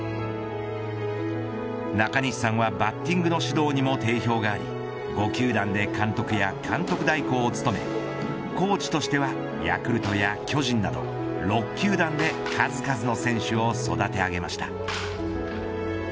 中西さんは、バッティングの指導にも定評があり５球団で監督や監督代行を務めコーチとしてはヤクルトや巨人など６球団で数々の選手を育て上げました。